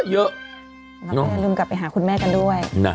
แล้วไม่ลืมกลับไปหาคุณแม่กันด้วย